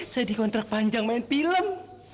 saya dikontrak panjang main film